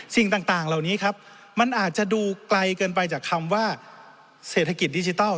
สิ่งต่างเหล่านี้ครับมันอาจจะดูไกลเกินไปจากคำว่าเศรษฐกิจดิจิทัล